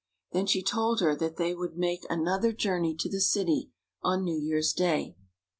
Then she told her that they would make another journey to the city on New Year's Day.